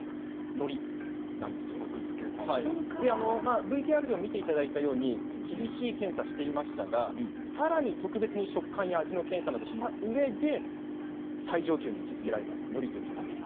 ＶＴＲでも見ていただいたように厳しい検査をしていましたがさらに特別な食感や味の検査をしたうえで最上級に位置づけられたのりです。